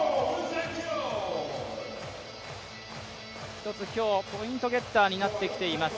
一つ今日、ポイントゲッターになってきています